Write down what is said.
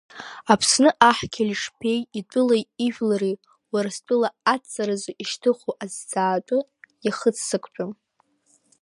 Аԥсны аҳ Келеш-беи итәылеи ижәлари Урыстәыла адҵаразы ишьҭыху азҵаатәы иахыццактәым.